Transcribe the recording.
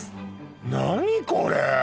何これ！？